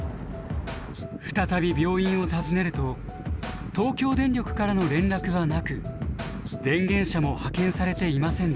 再び病院を訪ねると東京電力からの連絡はなく電源車も派遣されていませんでした。